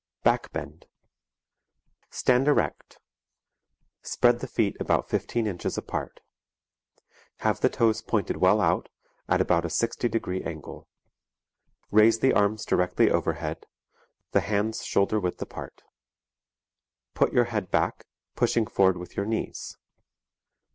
] BACK BEND Stand erect. Spread the feet about fifteen inches apart. Have the toes pointed well out, at about a sixty degree angle. Raise the arms directly overhead, the hands shoulder width apart. Put your head back, pushing forward with your knees.